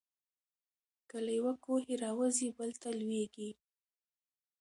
له یوه کوهي را وزي بل ته لوېږي.